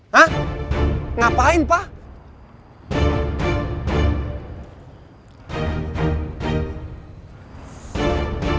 hah ngapain pak